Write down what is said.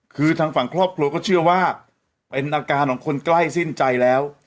คือทางฝั่งครอบครัวก็เชื่อว่าเป็นอาการของคนใกล้สิ้นใจแล้ว